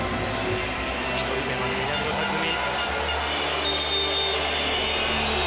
１人目は南野拓実。